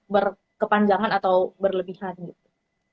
berkepanjangan atau berlebihan gitu